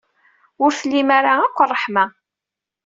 Ur tlim ara akk ṛṛeḥma.